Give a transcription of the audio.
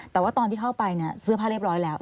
แต่ว่าตอนที่เข้าไปเสื้อผ้าเรียบร้อยแล้ว